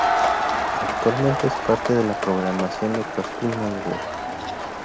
Actualmente es parte de la programación de Cartoon Network.